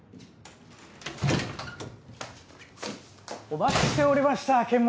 お待ちしておりました剣持先生！